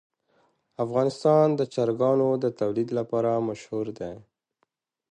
افغانستان د چرګانو د تولید لپاره مشهور دی.